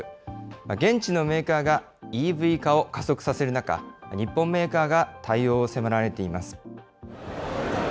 現地のメーカーがＥＶ化を加速させる中、日本メーカーが対応を迫られています。